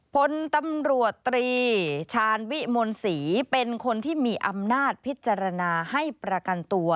พลตำรวจตรีชาญวิมลศรีเป็นคนที่มีอำนาจพิจารณาให้ประกันตัว